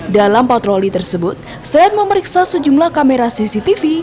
dalam patroli tersebut selain memeriksa sejumlah kamera cctv